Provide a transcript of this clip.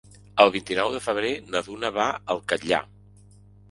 El vint-i-nou de febrer na Duna va al Catllar.